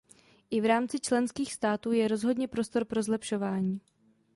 I v rámci členských států je rozhodně prostor pro zlepšování.